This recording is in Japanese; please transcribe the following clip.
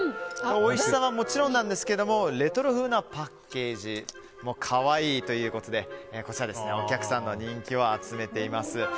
おいしさはもちろんですがレトロ風なパッケージも可愛いということでこちら、お客さんの人気を集めています。